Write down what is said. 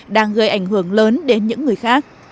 đang gây ảnh hưởng lớn đến những người khác